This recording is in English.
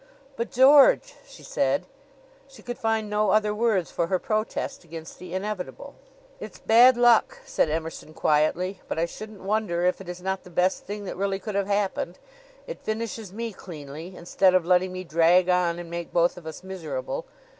"But, George!" she said; she could find no other words for her protest against the inevitable. "It's bad luck," said Emerson quietly; "but I shouldn't wonder if it is not the best thing that really could have happened. It finishes me cleanly, instead of letting me drag on and make both of us miserable.